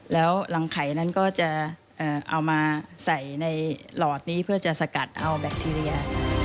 แล้วรังไข่นั้นก็จะเอามาใส่ในหลอดนี้เพื่อจะสกัดเอาแบคทีเรีย